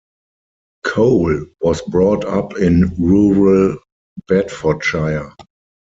Cole was brought up in rural Bedfordshire.